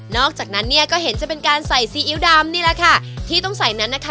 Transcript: อกจากนั้นเนี่ยก็เห็นจะเป็นการใส่ซีอิ๊วดำนี่แหละค่ะที่ต้องใส่นั้นนะคะ